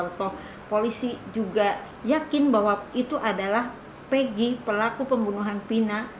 atau polisi juga yakin bahwa itu adalah pg pelaku pembunuhan pina